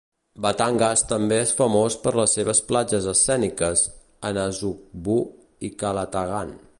Batangas també és famós per les seves platges escèniques a Nasugbu i Calatagan.